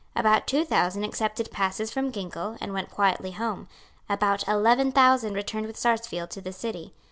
About two thousand accepted passes from Ginkell, and went quietly home. About eleven thousand returned with Sarsfield to the city.